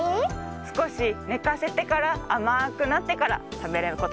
すこしねかせてからあまくなってからたべることができます。